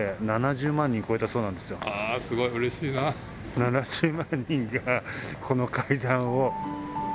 ７０万人がこの階段を。